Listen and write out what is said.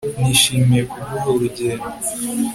Nishimiye kuguha urugendo